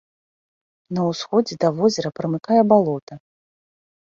На ўсходзе да возера прымыкае балота.